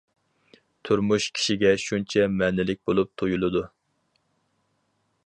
تۇرمۇش كىشىگە شۇنچە مەنىلىك بولۇپ تۇيۇلىدۇ.